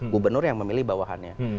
gubernur yang memilih bawahannya